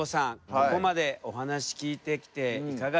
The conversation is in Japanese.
ここまでお話聞いてきていかがですか。